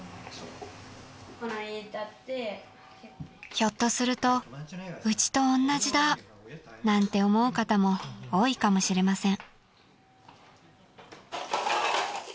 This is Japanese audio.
［ひょっとするとうちとおんなじだ！なんて思う方も多いかもしれません］